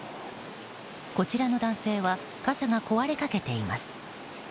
こちらの男性は傘が壊れかけています。